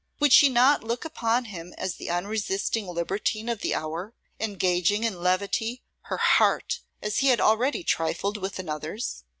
Would she not look upon him as the unresisting libertine of the hour, engaging in levity her heart as he had already trifled with another's?